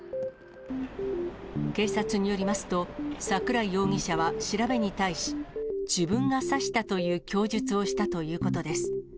警察によりますと、桜井容疑者は調べに対し、自分が刺したという供述をしたということです。